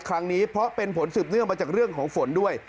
ครั้งนี้เพราะเป็นผลสืบเนื่องมาจากเรื่องของฝนด้วย